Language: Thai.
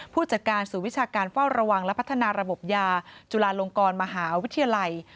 ผู้จัดการศูนย์วิชาการเฝ้าระวังและพัฒนาระบบยาจุฬาลงกรมหาวิทยาลัย